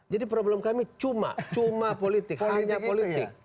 jadi problem kami cuma cuma politik hanya politik